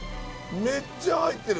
めっちゃ入ってる！